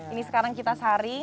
ini sekarang kita saring